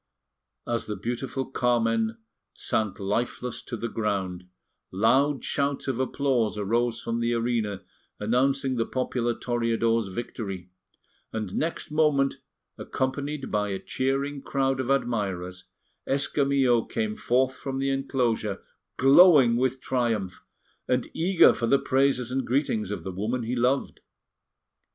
As the beautiful Carmen sank lifeless to the ground, loud shouts of applause arose from the arena announcing the popular Toreador's victory, and next moment, accompanied by a cheering crowd of admirers, Escamillo came forth from the enclosure glowing with triumph, and eager for the praises and greetings of the woman he loved.